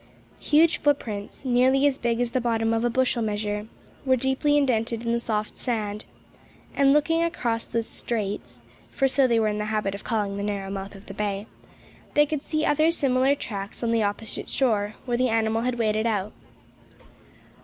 Huge footprints nearly as big as the bottom of a bushel measure were deeply indented in the soft sand; and looking across the "straits" (for so they were in the habit of calling the narrow mouth of the bay), they could see other similar tracks on the opposite shore, where the animal had waded out.